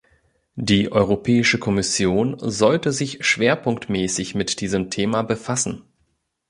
Die Europäische Kommission sollte sich schwerpunktmäßig mit diesem Thema befassen.